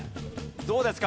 どうですか？